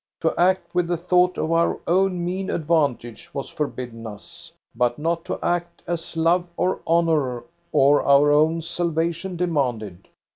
To act with the thought of our own mean advantage was forbidden us ; but not to act as love or honor or our own salvation demanded.